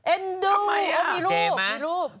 เอ็นดูมีรูปมีรูปทำไม